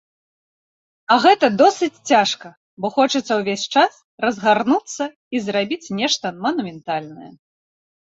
А гэта досыць цяжка, бо хочацца ўвесь час разгарнуцца і зрабіць нешта манументальнае.